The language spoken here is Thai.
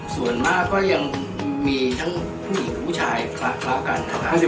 ส่วนมากก็ยังมีผู้หญิงผู้ชายซะกันนะครับ๕๐๕๐